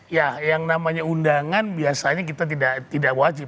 ya yang namanya undangan biasanya kita tidak wajib